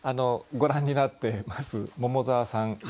ご覧になってまず桃沢さん